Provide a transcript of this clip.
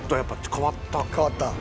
変わった？